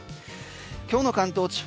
今日の関東地方